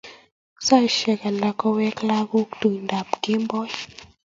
Saisyek alak kowei lagok tuindap kemboi.